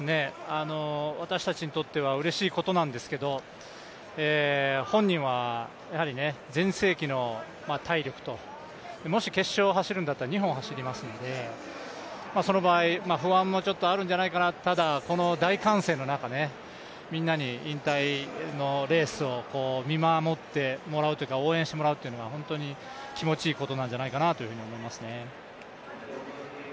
私たちにとってはうれしいことなんですけれども、本人はやはり、全盛期の体力ともし決勝を走るんだったら２本走りますのでその場合、不安もちょっとあるんじゃないかと、ただ、この大歓声の中、みんなに引退のレースを見守ってもらうというか、応援してもらうっていうのは本当に気持ちいいことなんじゃないかなと思います。